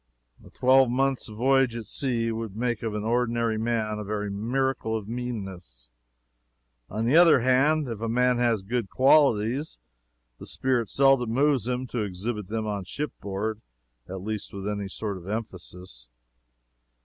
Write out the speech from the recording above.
A twelve months' voyage at sea would make of an ordinary man a very miracle of meanness. On the other hand, if a man has good qualities, the spirit seldom moves him to exhibit them on shipboard, at least with any sort of emphasis.